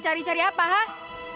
cari cari apa hah